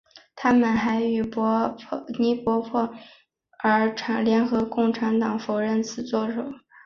他们还与尼泊尔联合共产党否认此种说法。